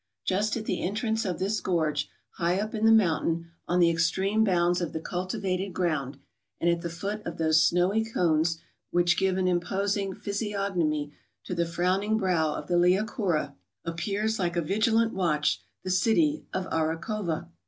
Just at the entrance of this gorge, high up in the mountain, on the extreme bounds of the cultivated ground, and at the foot of those snowy cones which give an imposing physiognomy to the frowning brow of the Liakoura, appears like a vigi¬ lant watch, the city of Arachova.